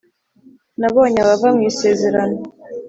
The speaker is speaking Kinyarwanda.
Nabonye abava mu isezerano .